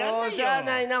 しゃあないな。